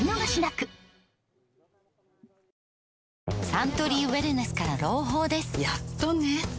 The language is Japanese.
サントリーウエルネスから朗報ですやっとね